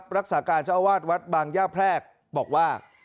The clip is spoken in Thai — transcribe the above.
รักษาการเจ้าอาวาสวัดบางย่าแพรกบอกว่า